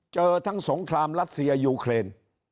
เจอทั้งสงครามรัสเซียยูเครน